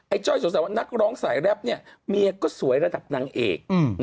จ้อยสงสัยว่านักร้องสายแรปเมียก็สวยระดับนางเอก